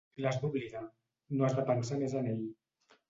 L'has d'oblidar, no has de pensar més en ell.